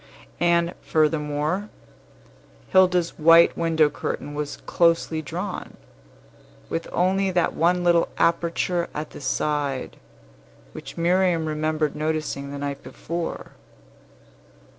And, furthermore, Hilda's white window curtain was closely drawn, with only that one little aperture at the side, which Miriam remembered noticing the night before.